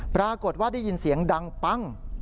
ปรากฏว่าได้ยินเสียงดังปั้ง